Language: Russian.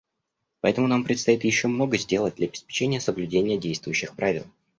Поэтому нам предстоит еще много сделать для обеспечения соблюдения действующих правил.